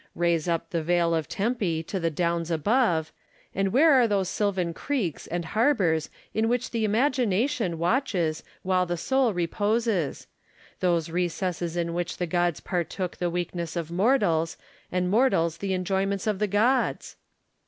Raise up the vale of Tempe to the downs above, and where are those sylvan creeks and harbours in which the imagina tion watches while the soul reposes ; those recesses in which the gods partook the weaknesses of mortals, and mortals the enjoyments of the gods